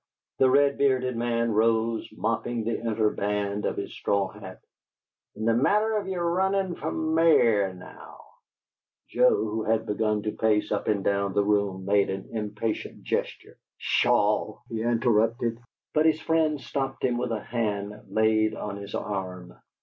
The red bearded man rose, mopping the inner band of his straw hat. "In the matter of yer runnin' fer Mayor, now " Joe, who had begun to pace up and down the room, made an impatient gesture. "Pshaw!" he interrupted; but his friend stopped him with a hand laid on his arm.